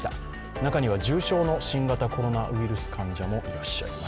中には重症の新型コロナウイルス患者もいらっしゃいます。